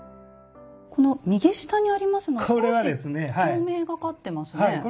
この右下にありますのは少し透明がかってますね。